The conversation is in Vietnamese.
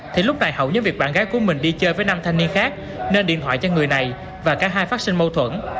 thì lúc này hậu nhớ việc bạn gái của mình đi chơi với năm thanh niên khác nên điện thoại cho người này và cả hai phát sinh mâu thuẫn